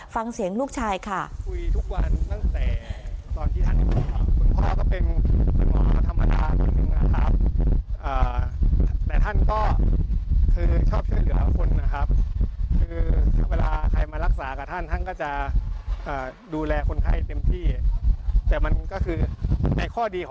ฟังเสียงลูกชายค่ะ